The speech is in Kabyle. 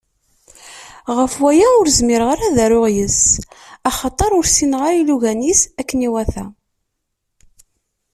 Γef waya ur zmireɣ ara ad aruɣ yis-s, axater ur ssineɣ ara ilugan-is akken iwata.